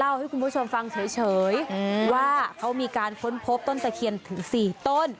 ให้คุณผู้ชมฟังเฉยว่าเขามีการค้นพบต้นตะเคียนถึง๔ต้น